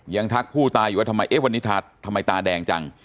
ทักผู้ตายอยู่ว่าทำไมเอ๊ะวันนี้ทำไมตาแดงจัง